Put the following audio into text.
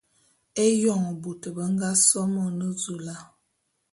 Éyoň bôt be nga so Monezula.